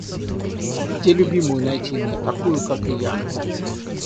Где любимую найти мне, такую, как и я?